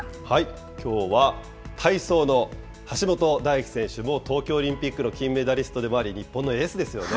きょうは体操の橋本大輝選手、東京オリンピックの金メダリストであり、日本のエースですよね。